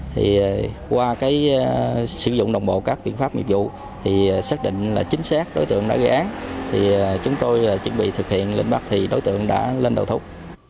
thì qua cái sử dụng đồng bộ các biện pháp nghiệp vụ thì xác định là chính xác đối tượng đã gây án thì chúng tôi chuẩn bị thực hiện lệnh bắt thì đối tượng đã lên đầu thú